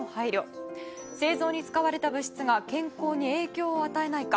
製造に使われた物質が健康に影響を与えないか。